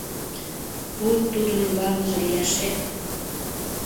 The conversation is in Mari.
Вот, тудын ӱмбалныже лияше-ет!